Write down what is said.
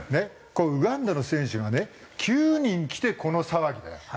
ウガンダの選手がね９人来てこの騒ぎだよ。